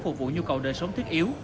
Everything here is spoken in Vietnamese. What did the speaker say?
phục vụ nhu cầu đời sống thiết yếu